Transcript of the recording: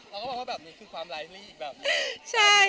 เพราะว่าแบบนี้คือความไลท์เนี้ยอีกแบบใจ